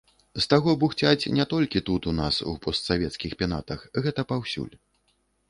З таго бухцяць не толькі тут у нас, у постсавецкіх пенатах, гэта паўсюль.